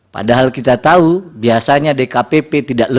padahal kita tahu biasanya dkpp tidak lengkap